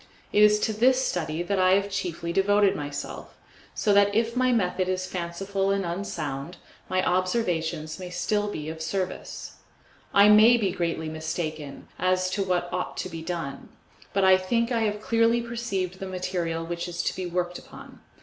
It is to this study that I have chiefly devoted myself, so that if my method is fanciful and unsound, my observations may still be of service. I may be greatly mistaken as to what ought to be done, but I think I have clearly perceived the material which is to be worked upon.